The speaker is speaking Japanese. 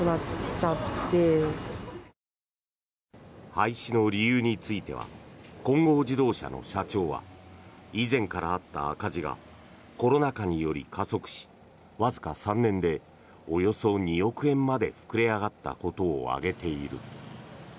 廃止の理由については金剛自動車の社長は以前からあった赤字がコロナ禍により加速しわずか３年でおよそ２億円まで膨れ上がったことを挙げている。